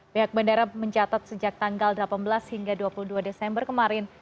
pihak bandara mencatat sejak tanggal delapan belas hingga dua puluh dua desember kemarin